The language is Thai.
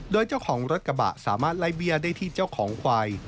โดยเจ้าของรถกระบะสามารถไล่เบี้ยได้ที่เจ้าของควาย